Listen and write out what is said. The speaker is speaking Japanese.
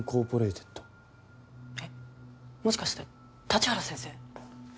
えっもしかして立原先生？